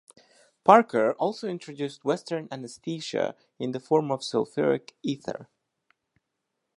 Parker also introduced Western anesthesia in the form of sulphuric ether.